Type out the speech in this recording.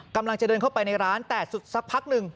กำลังจะเดินเข้าไปในร้านแต่สุดสักพักหนึ่ง